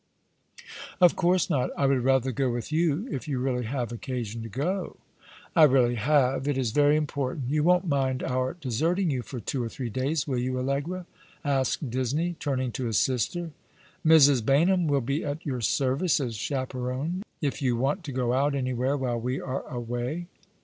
Of course not. I would rather go with you if you really have occasion to go." " I really have. It is very important. You won't mind our deserting you for two or three days, will you, Allegra ?" asked Disney, turning to his sister. " Mrs. Baynham will bo at your service as chaperon if you want to go out anywhere while we are away.